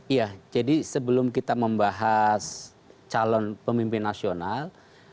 iya jadi sebelum kita membahas calon pemimpin nasional